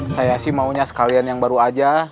saya sih maunya sekalian yang baru aja